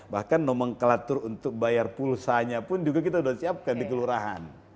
bahkan nomenklatur untuk bayar pulsanya pun juga kita sudah siapkan di kelurahan